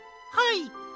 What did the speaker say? はい。